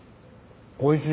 おいしい。